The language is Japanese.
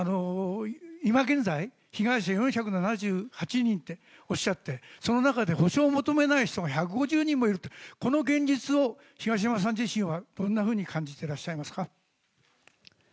今現在、被害者４７８人っておっしゃって、その中で補償を求めない人が１５０人もいるって、この現実を東山さん自身はどんなふうに感じていらっしゃいますか。